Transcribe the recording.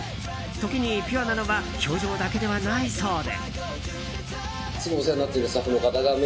時に、ピュアなのは表情だけではないそうで。